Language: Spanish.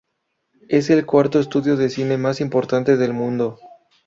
Es el cuarto estudio de cine más importante del mundo.